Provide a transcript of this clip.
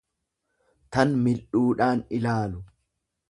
tan mil'uudhaan ilaalu.